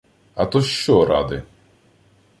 — А то що ради?